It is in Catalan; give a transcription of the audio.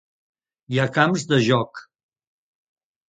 Hi ha camps de joc.